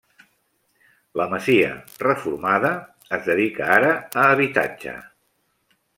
La masia, reformada, es dedica ara a habitatge.